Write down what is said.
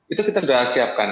itu kita sudah siapkan